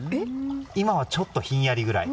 今はちょっとひんやりぐらい。